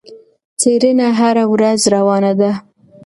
څېړنه هره ورځ روانه ده.